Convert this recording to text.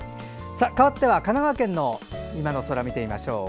かわっては神奈川県の今の空を見てみましょう。